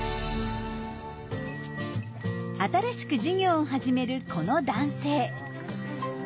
新しく事業を始めるこの男性。